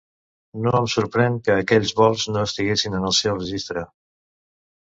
No em sorprèn que aquells vols no estiguessin en el seu registre.